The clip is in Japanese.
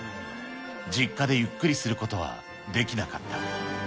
実家でゆっくりすることはできなかった。